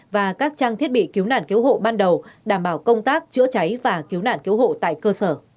và các trang thiết bị cứu nạn cứu hộ ban đầu đảm bảo công tác chữa cháy và cứu nạn cứu hộ tại cơ sở